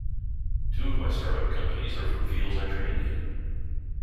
Two of my start-up companies are from the fields I trained in.